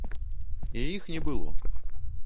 І іх не было.